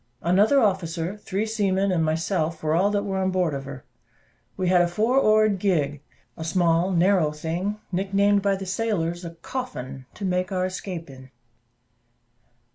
Another officer, three seamen, and myself, were all that were on board of her. We had a four oared gig, a small narrow thing (nick named by the sailors a "coffin"), to make our escape in.